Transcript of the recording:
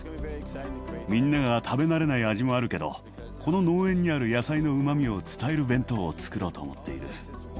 みんなが食べ慣れない味もあるけどこの農園にある野菜のうまみを伝える弁当をつくろうと思っている。